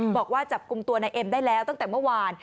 บอกว่าจับกลุ่มตัวนายเอ็มได้แล้วตั้งแต่เมื่อวาน